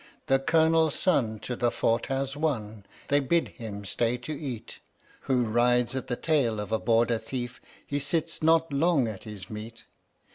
The Colonel's son to the Fort has won, they bid him stay to eat Who rides at the tail of a Border thief, he sits not long at his meat.